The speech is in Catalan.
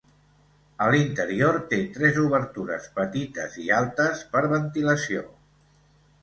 A l'interior té tres obertures petites i altes -per ventilació-.